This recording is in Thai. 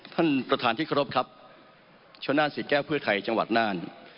ท่านประธานที่เคารพครับชนนานศรีแก้วเพื่อไทยจังหวัดน่าน